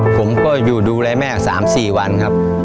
ผมก็อยู่ดูแลแม่๓๔วันครับ